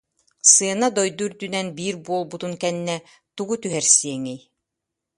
Сыана дойду үрдүнэн биир буолбутун кэннэ, тугу түһэрсиэҥий?